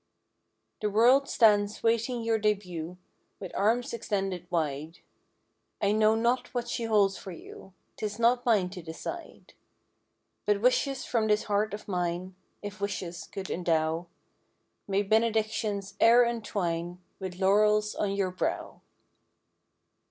The world stands waiting your debut With arms extended wide. I know not what she holds for you 'Tis not mine to decide; 183 But wishes from this heart of mine— (If wishes could endow) May benedictions e'er entwine With laurels on your brow.